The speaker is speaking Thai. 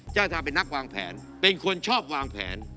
เจ้าทางเป็นนักวางแผนเป็นคนชอบวางแผน